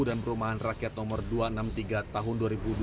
dan perumahan rakyat no dua ratus enam puluh tiga tahun dua ribu dua puluh dua